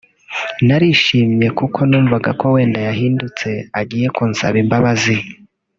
narishimye kuko numvaga ko wenda yahindutse agiye kunsaba imbabazi